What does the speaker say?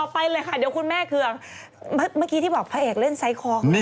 ไปที่ข่าวต่อไปเลยค่ะ